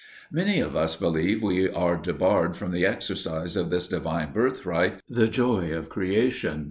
Many of us believe we are debarred from the exercise of this divine birthright, the joy of creation.